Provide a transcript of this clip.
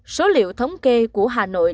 số liệu thống kê của hà nội